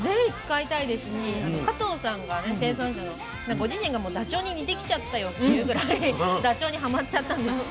ご自身がダチョウに似てきちゃったよっていうぐらいダチョウにはまっちゃったんですって。